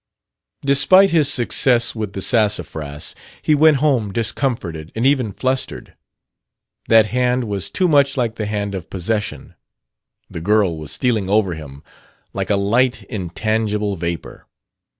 Despite his success with the Sassafras, he went home discomforted and even flustered. That hand was too much like the hand of possession. The girl was stealing over him like a light, intangible vapor.